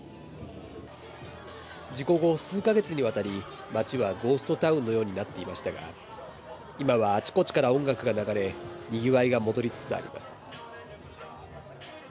事故後、数か月にわたり、街はゴーストタウンのようになっていましたが、今はあちこちから音楽が流れ、にぎわいが戻りつつあります。